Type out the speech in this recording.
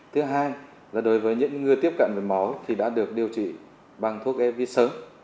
thứ hai là đối với những người tiếp cận với máu thì đã được điều trị bằng thuốc evi sớm